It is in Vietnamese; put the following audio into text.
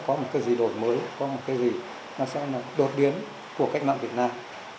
có một cái gì đổi mới có một cái gì nó sẽ là đột biến của cách mạng việt nam